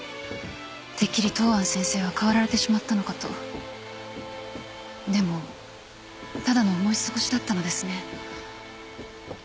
てっきり東庵先生は変わられてしまったのかとでもただの思い過ごしだったのですね